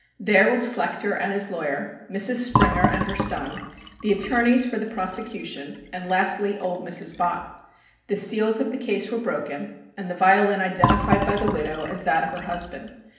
There was Flechter and his lawyer, Mrs. Springer and her son, the attorneys for the prosecution, and lastly old Mrs. Bott. The seals of the case were broken and the violin identified by the widow as that of her husband.